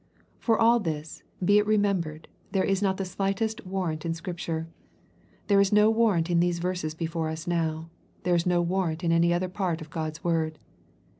For all this, be it remembered, there is not the slightest warrant in Scripture. There is no warrant in the verses before us now. There is no warrant in any other part of God's word.